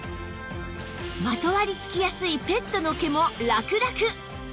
まとわりつきやすいペットの毛もラクラク！